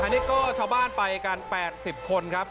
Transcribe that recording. อันนี้ก็ชาวบ้านไปกัน๘๐คนครับ